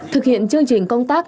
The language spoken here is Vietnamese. thực hiện chương trình công tác